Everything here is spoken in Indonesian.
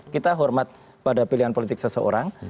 kita hormat pada pilihan politik seseorang